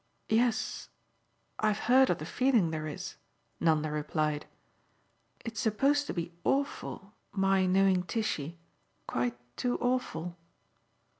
"Yes, I've heard of the feeling there is," Nanda replied. "It's supposed to be awful, my knowing Tishy quite too awful."